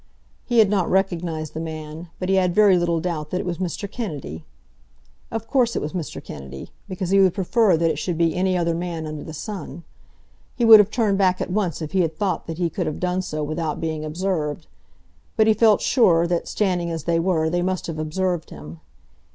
He had not recognised the man, but he had very little doubt that it was Mr. Kennedy. Of course it was Mr. Kennedy, because he would prefer that it should be any other man under the sun. He would have turned back at once if he had thought that he could have done so without being observed; but he felt sure that, standing as they were, they must have observed him.